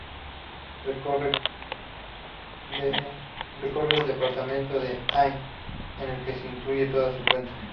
Recorre el departamento de Ain, en el que se incluye toda su cuenca.